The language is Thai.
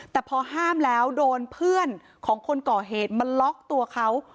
แต่พอห้ามแล้วโดนเพื่อนของคนก่อเหตุมาล็อกตัวเขา